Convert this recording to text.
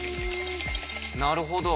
なるほど。